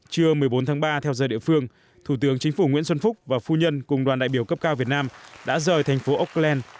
trưa một mươi bốn tháng ba theo giờ địa phương thủ tướng chính phủ nguyễn xuân phúc và phu nhân cùng đoàn đại biểu cấp cao việt nam đã rời thành phố okland